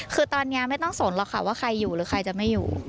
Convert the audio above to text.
คือตอนนี้ไม่ต้องสนหรอกค่ะว่าใครอยู่หรือใครจะไม่อยู่